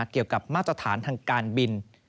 เกี่ยวกับมาตรฐานทางการบิน